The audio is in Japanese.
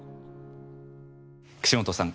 岸本さん